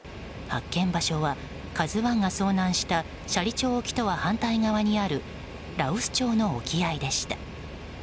発見場所は「ＫＡＺＵ１」が遭難した斜里町沖とは反対側にある羅臼町の沖合でした。